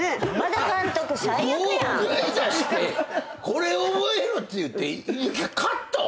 号外出してこれ覚えろって言ってカット！？